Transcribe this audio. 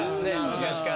昔から。